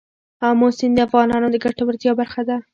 آمو سیند د افغانانو د ګټورتیا برخه ده.